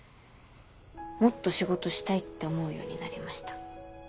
もっと仕事したいって思うようになりました。